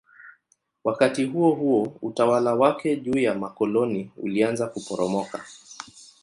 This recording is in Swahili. Wakati huohuo utawala wake juu ya makoloni ulianza kuporomoka.